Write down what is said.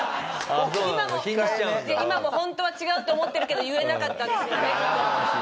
今もホントは違うって思ってるけど言えなかったんですよね